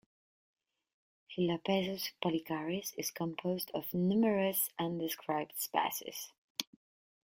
"Phyllopezus pollicaris" is composed of numerous undescribed species.